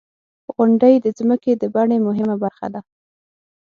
• غونډۍ د ځمکې د بڼې مهمه برخه ده.